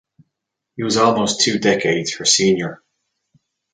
He was almost two decades her senior.